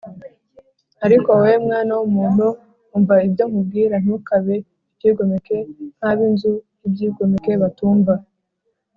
Ariko wowe mwana w’umuntu umva ibyo nkubwira Ntukabe icyigomeke nk’ab’inzu y‘ibyigomeke batumva